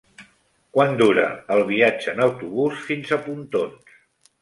Quant dura el viatge en autobús fins a Pontons?